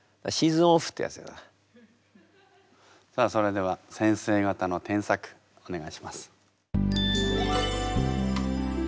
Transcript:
さあそれでは先生方の添削お願いします。